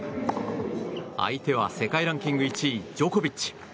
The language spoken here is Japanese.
相手は世界ランキング１位ジョコビッチ。